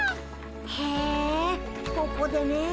へえここでねえ。